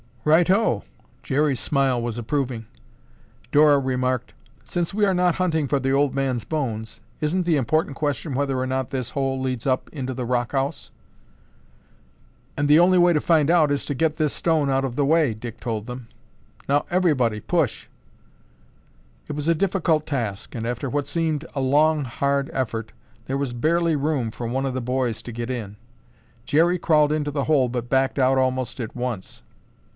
"Righto!" Jerry's smile was approving. Dora remarked, "Since we are not hunting for the old man's bones, isn't the important question whether or not this hole leads up into the rock house?" "And the only way to find out is to get this stone out of the way," Dick told them. "Now everybody push." It was a difficult task and after what seemed a long hard effort, there was barely room for one of the boys to get in. Jerry crawled into the hole but backed out almost at once.